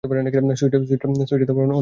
সুইটা অন্য কোথাও ফোঁটাতে পার না?